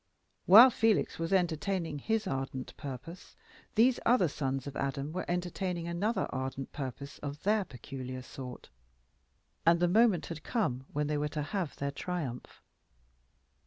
While Felix was entertaining his ardent purpose, these other sons of Adam were entertaining another ardent purpose of their peculiar sort, and the moment had come when they were to have their triumph.